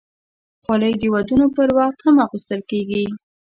خولۍ د ودونو پر وخت هم اغوستل کېږي.